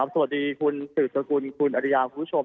สวัสดีคุณสืบสกุลคุณอริยาคุณผู้ชม